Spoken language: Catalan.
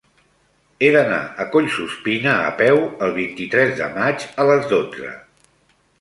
He d'anar a Collsuspina a peu el vint-i-tres de maig a les dotze.